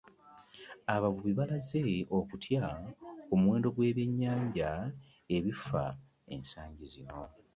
Abavubi balaze okutya ku muwendo gw'ebyennyanja ebifa ensangi zino